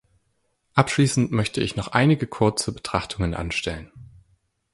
Abschließend möchte ich noch einige kurze Betrachtungen anstellen.